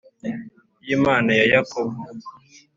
y Imana ya Yakobo